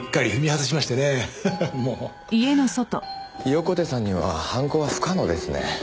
横手さんには犯行は不可能ですね。